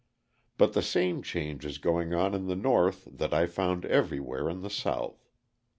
But the same change is going on in the North that I found everywhere in the South.